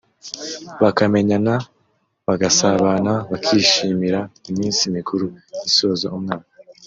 bakamenyana bagasabana bakishimira iminsi mikuru isoza umwaka